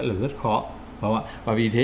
là rất khó và vì thế